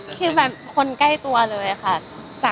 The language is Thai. คือแบบคนใกล้ตัวเลยค่ะ